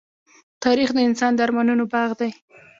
تاریخ د انسان د ارمانونو باغ دی.